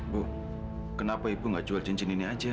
bu kenapa ibu nggak jual cincin ini aja